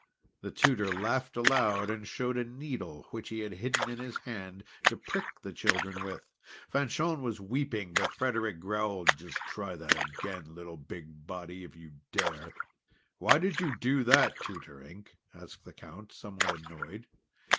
The tutor laughed aloud, and showed a needle, which he had hidden in his hand to prick the children with. Fanchon was weeping; but Frederic growled. "Just try that again, little Big Body, if you dare!" "Why did you do that, Tutor Ink?" asked the Count, somewhat annoyed.